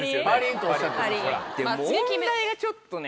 問題がちょっとね。